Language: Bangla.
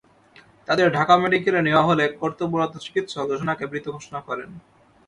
তাঁদের ঢাকা মেডিকেলে নেওয়া হলে কর্তব্যরত চিকিৎসক জোছনাকে মৃত ঘোষণা করেন।